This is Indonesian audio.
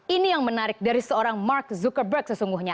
ini yang menarik dari seorang mark zuckerberg sesungguhnya